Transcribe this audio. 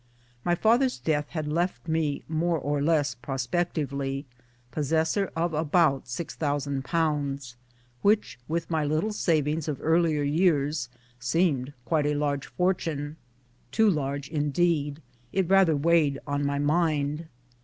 My father's death had left me (more or less prospectively) possessor of about 6,000 which with my little savings of earlier years, seemed quite a large fortune too large indeed it rather weighed on my mind